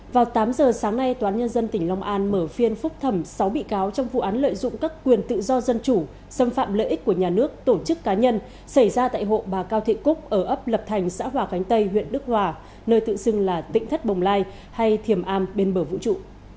vào tám giờ sáng nay toán nhân dân tỉnh long an mở phiên phúc thẩm sáu bị cáo trong vụ án lợi dụng các quyền tự do dân chủ xâm phạm lợi ích của nhà nước tổ chức cá nhân xảy ra tại hộ bà cao thị cúc ở ấp lập thành xã hòa khánh tây huyện đức hòa nơi tự xưng là tỉnh thất bồng lai hay thiềm am bên bờ vũ trụ